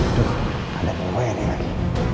aduh ada rumahnya ini lagi